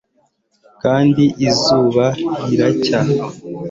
Kandi izuba riracya